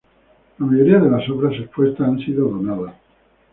La mayoría de las obras expuestas han sido donadas.